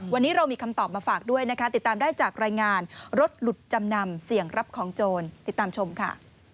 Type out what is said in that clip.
วันนี้เรามีคำตอบมาฝากด้วยนะคะติดตามได้จากรายงานรถหลุดจำนำเสี่ยงรับของโจรติดตามชมค่ะ